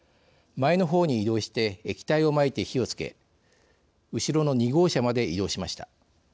前の方に移動して液体をまいて火をつけ後ろの２号車まで移動しました。